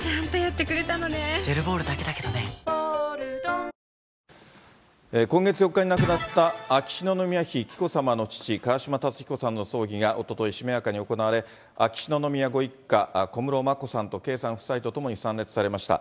一方、眞子さんが結婚前日、今月４日に亡くなった秋篠宮妃紀子さまの父、川嶋辰彦さんの葬儀がおととい、しめやかに行われ、秋篠宮ご一家、小室眞子さんと圭さん夫妻と共に参列されました。